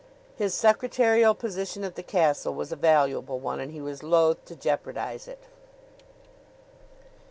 His secretarial position at the castle was a valuable one and he was loath to jeopardize it.